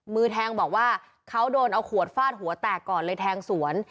มือแทงบอกว่าเขาโดนเอาขวดฟาดหัวแตกก่อนเลยแทงสวน